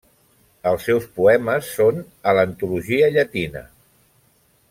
Els seus poemes són a l'antologia llatina.